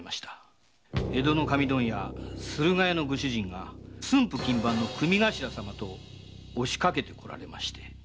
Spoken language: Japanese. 江戸の紙問屋駿河屋のご主人が駿府勤番の組頭様と押しかけてこられまして。